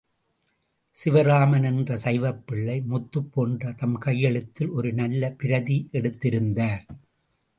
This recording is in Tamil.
சிவராமன் என்ற சைவப்பிள்ளை, முத்துப் போன்ற தம் கையெழுத்தில் ஒரு நல்ல பிரதி எடுத்திருந்தார்.